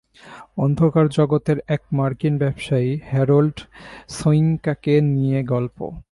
অন্ধকার জগতের এক মার্কিন ব্যবসায়ী হ্যারল্ড সোয়িঙ্কাকে নিয়ে গল্প।